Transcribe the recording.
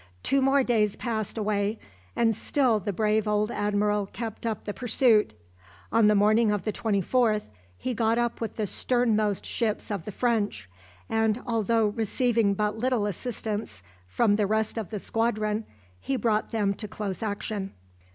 Two more days passed away, and still the brave old admiral kept up the pursuit. On the morning of the 24th, he got up with the sternmost ships of the French, and although receiving but little assistance from the rest of the squadron he brought them to close action.